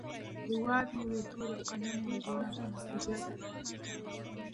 هیواد مې د تورې، قلم، او جرئت نتیجه ده